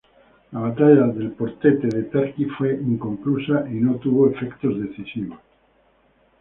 La batalla del Portete de Tarqui fue inconclusa y no tuvo efectos decisivos.